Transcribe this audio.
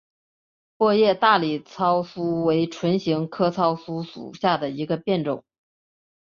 薄叶大理糙苏为唇形科糙苏属下的一个变种。